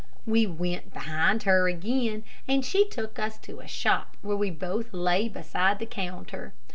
We went behind her again, and she took us to a shop where we both lay beside the counter.